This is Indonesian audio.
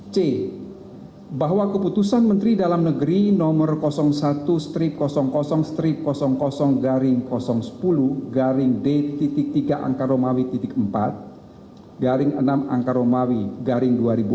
c bahwa keputusan menteri dalam negeri no satu sepuluh d tiga angkaromawi empat enam angkaromawi dua ribu empat belas